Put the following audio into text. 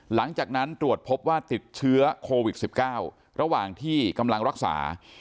หลังจากนั้นตรวจพบว่าติดเชื้อโควิด๑๙ระหว่างที่กำลังรักษา